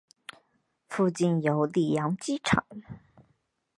附近有里扬机场。